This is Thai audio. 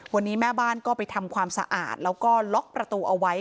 วันนี้แม่บ้านก็ไปทำความสะอาดแล้วก็ล็อกประตูเอาไว้